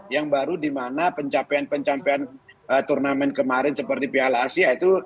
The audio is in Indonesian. yang baru dimana pencapaian pencapaian turnamen kemarin seperti piala asia itu